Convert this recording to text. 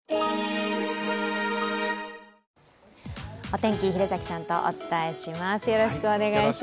お天気、比連崎さんとお伝えします。